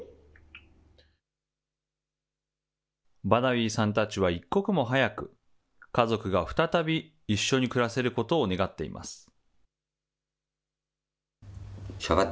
バダウィさんたちは一刻も早く家族が再び一緒に暮らせることを願っています。